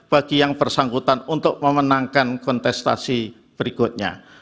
bagi yang bersangkutan untuk memenangkan kontestasi berikutnya